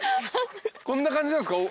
こんな感じなんすか？